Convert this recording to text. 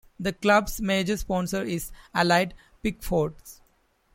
The club's major sponsor is Allied Pickfords.